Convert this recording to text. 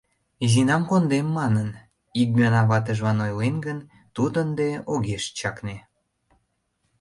«Изинам кондем» манын, ик гана ватыжлан ойлен гын, тудо ынде огеш чакне.